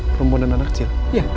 perempuan dan anak kecil